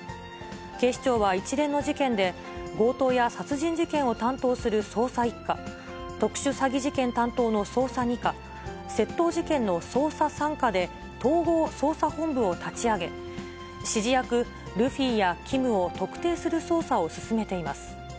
警視庁は一連の事件で、強盗や殺人事件を担当する捜査１課、特殊詐欺事件担当の捜査２課、窃盗事件の捜査３課で、統合捜査本部を立ち上げ、指示役、ルフィやキムを特定する捜査を進めています。